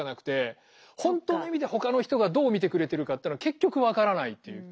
本当の意味でほかの人がどう見てくれてるかってのは結局分からないという。